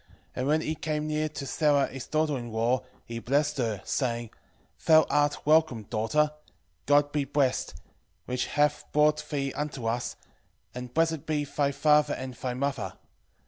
And when he came near to Sara his daughter in law, he blessed her, saying, Thou art welcome, daughter: God be blessed, which hath brought thee unto us, and blessed be thy father and thy mother.